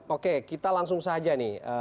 oke kita langsung saja nih